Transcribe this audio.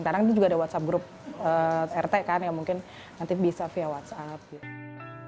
kadang itu juga ada whatsapp grup rt kan ya mungkin nanti bisa via whatsapp